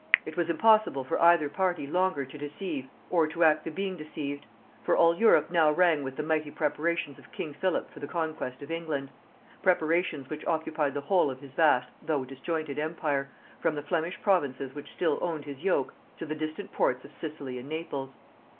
It was impossible for either party longer to deceive or to act the being deceived; for all Europe now rang with the mighty preparations of king Philip for the conquest of England; preparations which occupied the whole of his vast though disjointed empire, from the Flemish provinces which still owned his yoke, to the distant ports of Sicily and Naples.